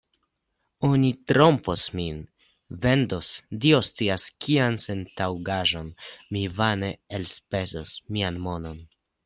Oni trompos min, vendos Dio scias kian sentaŭgaĵon, mi vane elspezos mian monon.